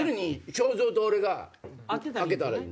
章造と俺が開けたらいい。